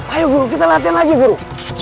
ayo guru kita latihan lagi guru